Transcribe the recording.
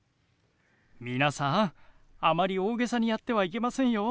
皆さんあまり大げさにやってはいけませんよ。